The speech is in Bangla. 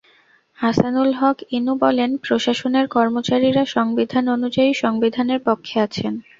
হাসানুল হক ইনু বলেন, প্রশাসনের কর্মচারীরা সংবিধান অনুযায়ী সংবিধানের পক্ষে আছেন।